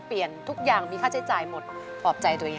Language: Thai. เปลี่ยนเพลงเพลงเก่งของคุณและข้ามผิดได้๑คำ